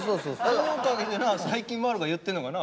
そのおかげでな最近丸が言ってんのがな